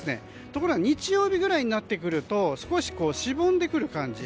ところが日曜日ぐらいになってくると少し、しぼんでくる感じ。